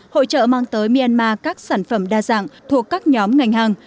hội trợ mang tới myanmar các sản phẩm đa dạng thuộc các nhóm ngành hàng